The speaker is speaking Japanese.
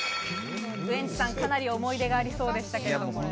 ウエンツさん、かなり思い出がありそうでしたけど。